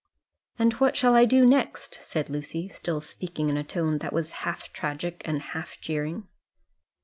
"And what shall I do next?" said Lucy, still speaking in a tone that was half tragic and half jeering.